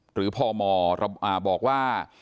หรือพมบอกว่า